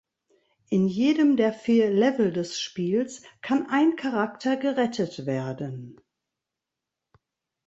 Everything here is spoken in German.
In jedem der vier Level des Spiels kann ein Charakter gerettet werden.